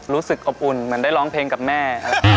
รู้สึกอบอุ่นเหมือนได้ร้องเพลงกับแม่